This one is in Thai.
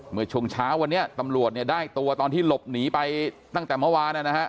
เมื่อช่วงเช้าวันนี้ตำรวจเนี่ยได้ตัวตอนที่หลบหนีไปตั้งแต่เมื่อวานนะฮะ